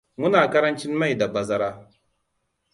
Muna karancin mai da bazara.